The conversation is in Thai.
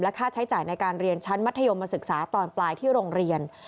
ค่าใช้จ่ายในการเรียนชั้นมัธยมมาศึกษาตอนปลายที่โรงเรียน